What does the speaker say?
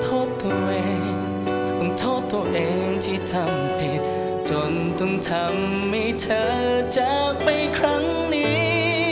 โทษตัวเองต้องโทษตัวเองที่ทำผิดจนต้องทำให้เธอจากไปครั้งนี้